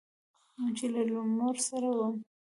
چې له مور سره وم.